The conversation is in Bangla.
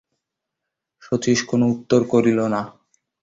শচীশ কোনো উত্তর করিল না।